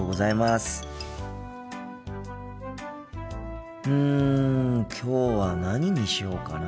心の声うんきょうは何にしようかな。